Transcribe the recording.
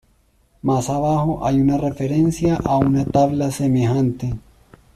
Más abajo hay una referencia a una tabla semejante.